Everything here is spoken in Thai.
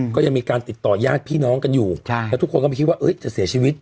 ก็ยังมีการติดต่อยาดพี่น้องกันอยู่แล้วทุกคนก็ไม่คิดว่าจะเสียชีวิต